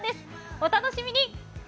お楽しみに。